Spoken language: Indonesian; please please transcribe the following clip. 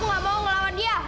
tidak aku tidak mau melawan dia